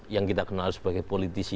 yang kita kenal sebagai politisi